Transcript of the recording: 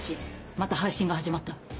また配信が始まった。